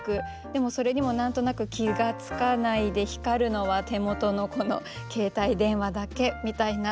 でもそれにも何となく気が付かないで光るのは手元のこの携帯電話だけみたいな。